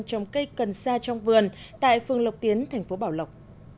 trồng cây cần sa trong vườn tại phường lộc tiến tp bảo lộc